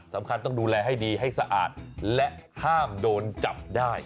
ต้องดูแลให้ดีให้สะอาดและห้ามโดนจับได้